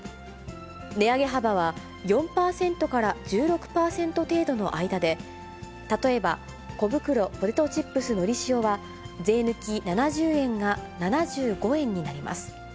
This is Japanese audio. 値上げ幅は４％から１６％程度の間で、例えば、小袋ポテトチップスのり塩は、税抜き７０円が７５円になります。